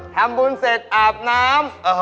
ทำบุญเสร็จอาบน้ำ